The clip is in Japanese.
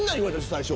最初。